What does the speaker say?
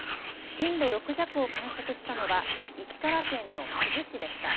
震度６弱を観測したのは石川県の珠洲市でした。